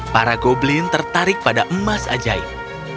para goblin tertarik pada emas ajaib